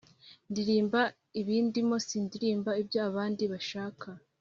Ndirimba ibindimo sindirimba ibyo abandi bashaka